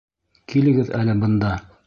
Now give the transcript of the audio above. Килегеҙ әле бында!